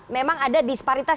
memang ada disparitas